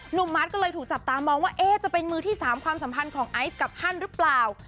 มาร์ทก็เลยถูกจับตามองว่าจะเป็นมือที่๓ความสัมพันธ์ของไอซ์กับฮันหรือเปล่า